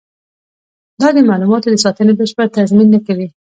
دا د معلوماتو د ساتنې بشپړ تضمین نه کوي.